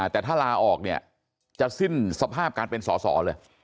แต่ถ้าลาออกเนี่ยจะสิ้นสภาพการเป็นสอสอเลย